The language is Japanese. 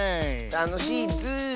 たのしいッズー。